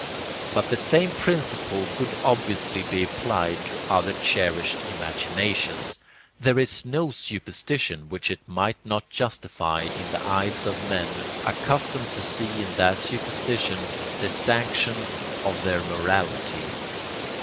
But the same principle could obviously be applied to other cherished imaginations: there is no superstition which it might not justify in the eyes of men accustomed to see in that superstition the sanction of their morality.